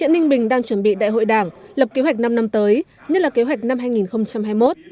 hiện ninh bình đang chuẩn bị đại hội đảng lập kế hoạch năm năm tới như là kế hoạch năm hai nghìn hai mươi một